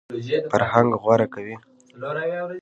فرهنګ غوره کوي.